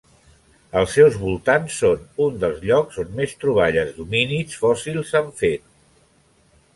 Els seus voltants són un dels llocs on més troballes d'homínids fòssils s'han fet.